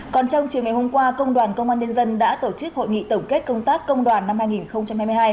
còn trong chiều ngày hôm qua công đoàn công an nhân dân đã tổ chức hội nghị tổng kết công tác công đoàn năm hai nghìn hai mươi hai